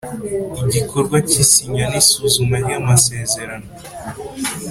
Igikorwa cy’isinya n isuzuma ry amasezerano